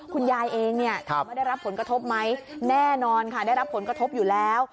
คุณยายเองเนี่ยถามว่าได้รับผลกระทบไหมแน่นอนค่ะได้รับผลกระทบอยู่แล้ว